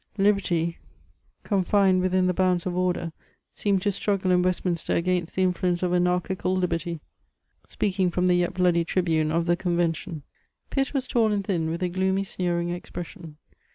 liberty, confined within the bounds of cvder, seemed to stn^^ in Westminster against the influence of anarehieal Hberty^ speak ing from the yet bloody tribune of the Ckmvention* Pitt ^^is tall and tmn, with a gkxHEy, sneering ezpiesoMi.